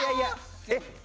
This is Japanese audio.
えっ？